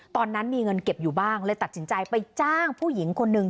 ตอนนั้นมีเงินเก็บอยู่บ้างเลยตัดสินใจไปจ้างผู้หญิงคนหนึ่ง